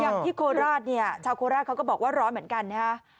อย่างที่โคราชเนี่ยชาวโคราสเขาก็บอกว่าร้อนเหมือนกันนึงค่ะ